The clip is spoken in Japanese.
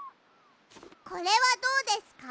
これはどうですか？